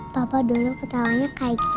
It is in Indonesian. papa dulu ketawanya kayak gini